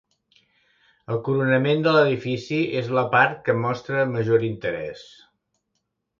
El coronament de l'edifici és la part que mostra major interès.